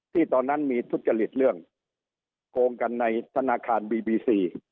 ตอนนั้นมีทุจริตเรื่องโกงกันในธนาคารบีบีซี